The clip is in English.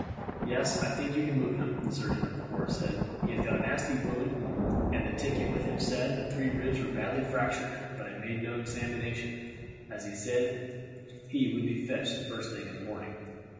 "Yes, I think you can move him," the surgeon of the ward said. "He has got a nasty wound, and the ticket with him said that three ribs were badly fractured; but I made no examination, as he said he would be fetched the first thing this morning.